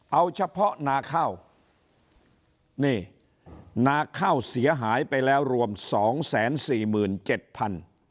เอาเฉพาะนาข้าวนี่นาข้าวเสียหายไปแล้วรวมสองแสนสี่หมื่นเจ็ดพัน